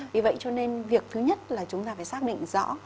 vì vậy cho nên việc thứ nhất là chúng ta phải xác định rõ